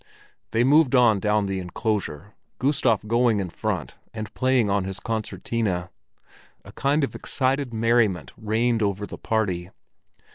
They moved on down the enclosure, Gustav going in front and playing on his concertina. A kind of excited merriment reigned over the party.